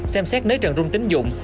xem xét nếp trần rung tính dụng